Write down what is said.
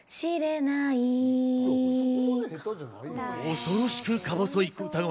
恐ろしくか細い歌声。